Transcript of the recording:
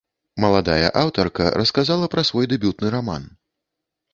Маладая аўтарка расказала пра свой дэбютны раман.